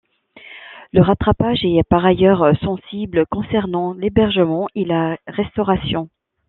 Le rattrapage est par ailleurs sensible concernant l’hébergement et la restauration.